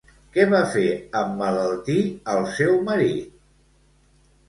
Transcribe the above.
Què va fer emmalaltir al seu marit?